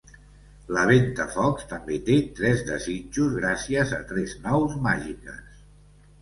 La Ventafocs també té tres desitjos gràcies a tres nous màgiques.